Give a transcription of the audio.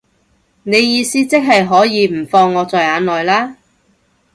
你意思即係可以唔放我在眼內啦